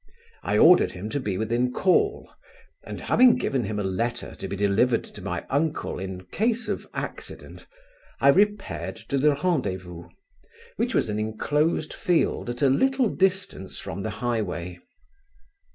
I ordered him to be within call, and, having given him a letter to be delivered to my uncle in case of accident, I repaired to the rendezvous, which was an inclosed field at a little distance from the highway.